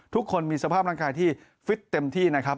ทุกคนมีสภาพร่างกายที่ฟิตเต็มที่นะครับ